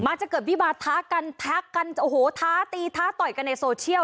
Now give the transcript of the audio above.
จะเกิดวิบาท้ากันทักกันโอ้โหท้าตีท้าต่อยกันในโซเชียล